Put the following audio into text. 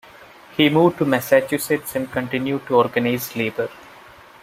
He moved to Massachusetts and continued to organize labor.